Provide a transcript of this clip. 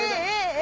え？